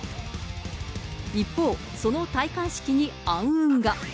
一方、その戴冠式に暗雲が。